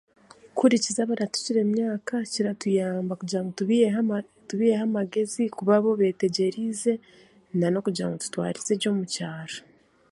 Kuhurikiza abarikutukira emyaka kiratuyamba kugira tubaiheho amagezi kuba bo beetegyereize nan'okugira ngu tutwarize gye omu kyaro